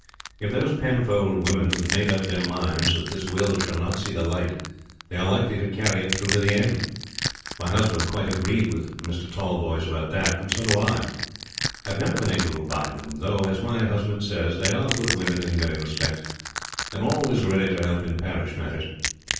If those Penfold women have made up their minds that this will shall not see the light they are likely to carry it through to the end. My husband quite agreed with Mr. Tallboys about that, and so do I. I have never been able to abide them, though, as my husband says, they are good women in many respects, and always ready to help in parish matters.